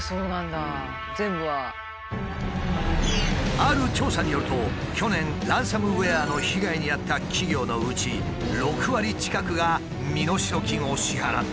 ある調査によると去年ランサムウエアの被害に遭った企業のうち６割近くが身代金を支払ったという。